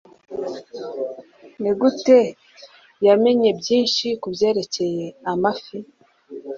Nigute yamenye byinshi kubyerekeye amafi?